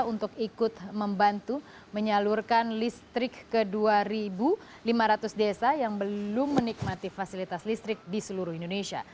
untuk ikut membantu menyalurkan listrik ke dua lima ratus desa yang belum menikmati fasilitas listrik di seluruh indonesia